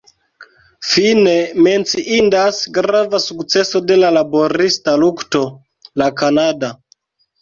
Fine, menciindas grava sukceso de la laborista lukto: La Kanada.